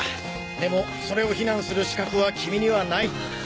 でもそれを非難する資格は君にはない。